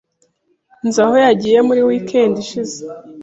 Nzi aho yagiye muri weekend ishize.